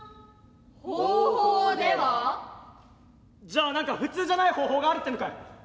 「じゃあ何か普通じゃない方法があるってのかよ！」。